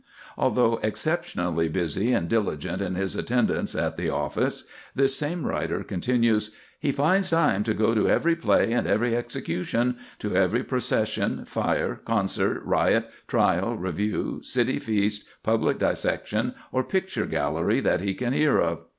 Although "exceptionally busy and diligent in his attendance at the office," this same writer continues, "he finds time to go to every play and every execution, to every procession, fire, concert, riot, trial, review, city feast, public dissection, or picture gallery that he can hear of.